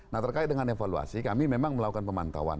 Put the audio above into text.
nah terkait dengan evaluasi kami memang melakukan pemantauan